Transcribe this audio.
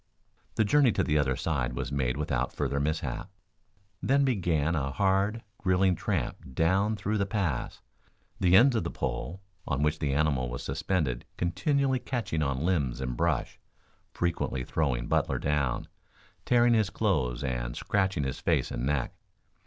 The journey to the other side was made without further mishap. Then began a hard, grilling tramp down through the pass, the ends of the pole on which the animal was suspended continually catching on limbs and brush, frequently throwing Butler down, tearing his clothes and scratching his face and neck.